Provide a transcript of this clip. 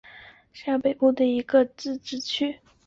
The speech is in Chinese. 上托尔内奥市是瑞典北部北博滕省的一个自治市。